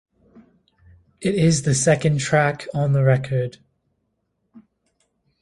It is the second track on the record.